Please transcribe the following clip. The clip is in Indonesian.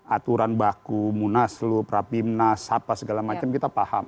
aturan baku munaslu prabimnas apa segala macam kita paham